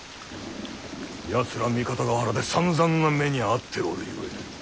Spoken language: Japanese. やつら三方ヶ原でさんざんな目に遭っておるゆえ。